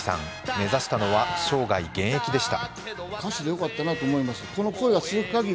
目指したのは生涯現役でした。